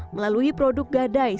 melalui produk gadai